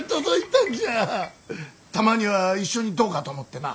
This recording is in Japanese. たまには一緒にどうかと思ってな。